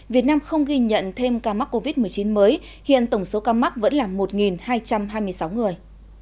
việt nam không ghi nhận thêm ca mắc covid một mươi chín mới hiện tổng số ca mắc vẫn là một hai trăm hai mươi sáu người